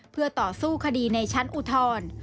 เพื่อต่อสู้คดีในชั้นอุทธรณ์